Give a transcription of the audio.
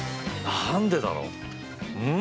何でだろう。